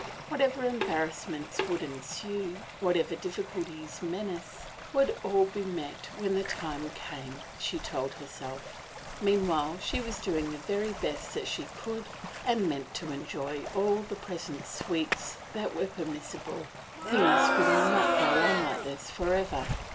Whatever embarrassments would ensue, whatever diffi culties menace, would all be met when th\5 time came, she told herself ; meanwhile she was doing the very best that she could and meant to enjoy all of the present sweets that were permissible. Things could not go on like this forever.